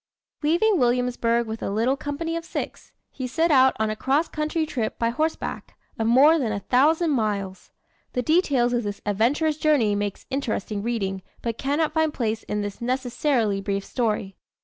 Leaving Williamsburg with a little company of six, he set out on a cross country trip by horseback, of more than a thousand miles. The details of this adventurous journey make interesting reading, but cannot find place in this necessarily brief story.